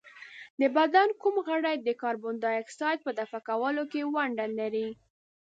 د بدن کوم غړی د کاربن ډای اکساید په دفع کولو کې ونډه لري؟